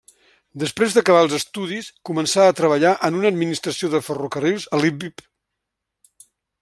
Després d'acabar els estudis, començà a treballar en una administració de ferrocarrils a Lviv.